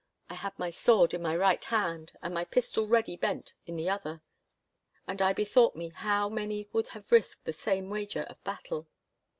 I had my sword in my right hand and my pistol ready bent in the other. And I bethought me how many would have risked the same wager of battle.